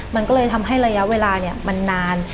มันก็เลยทำให้ระยะเวลามันนาน